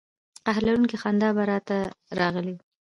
قهر لرونکې خندا به را ته راغلې.